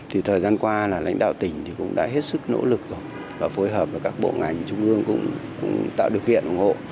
thời gian qua là lãnh đạo tỉnh cũng đã hết sức nỗ lực và phối hợp với các bộ ngành trung ương cũng tạo được kiện ủng hộ